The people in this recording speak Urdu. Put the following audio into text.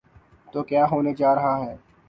تو کیا ہونے جا رہا ہے؟